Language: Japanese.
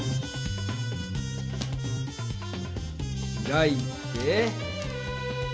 開いて。